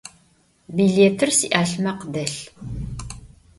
Bilêtır si'alhmekh delh.